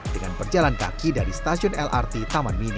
dengan berjalan kaki dari stasiun lrt taman mini